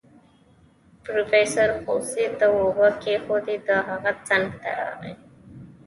پروفيسر خوسي ته اوبه کېښودې د هغه څنګ ته راغی.